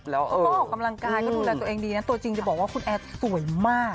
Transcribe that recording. แล้วก็ออกกำลังกายก็ดูแลตัวเองดีนะตัวจริงจะบอกว่าคุณแอร์สวยมาก